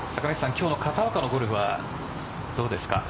今日の片岡のゴルフはどうですか。